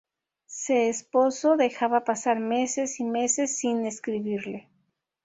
Se esposo dejaba pasar meses y meses sin escribirle.